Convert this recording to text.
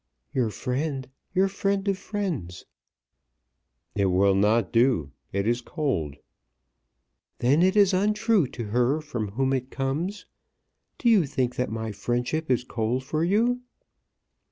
"Your friend; your friend of friends." "It will not do. It is cold." "Then it is untrue to her from whom it comes. Do you think that my friendship is cold for you?"